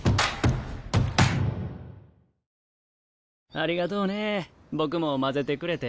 ありがとうね僕も交ぜてくれて。